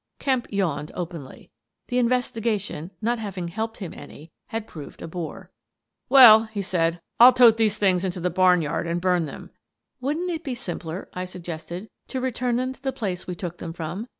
Kemp yawned openly. The investigation, not having helped him any, had proved a bore. " Well," he said, " I'll tote these things into the barn yard and burn them." " Wouldn't it be simpler," I suggested, " to re turn them to the place we took them from?